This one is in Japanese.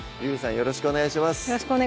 よろしくお願いします